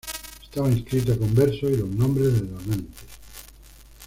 Estaba inscrita con verso y los nombres de donantes.